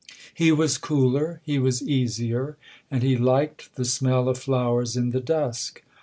He was cooler, he was easier, and he liked the smell of flowers in the dusk.